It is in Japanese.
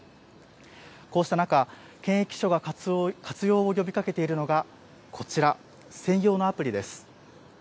こうした中、検疫所が活用を呼びかけているのが、こちら、専用のアプリです。